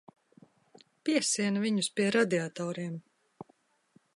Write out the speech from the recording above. Piesien viņus pie radiatoriem.